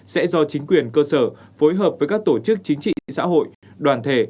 sẽ do chính quyền cơ sở phối hợp với các tổ chức chính trị xã hội đoàn thể